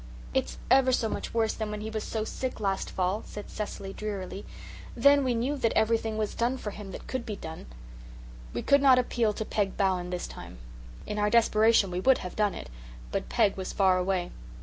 "It's ever so much worse than when he was so sick last fall," said Cecily drearily. "Then we knew that everything was done for him that could be done." We could not appeal to Peg Bowen this time. In our desperation we would have done it, but Peg was far away.